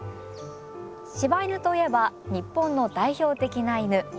柴犬といえば日本の代表的な犬。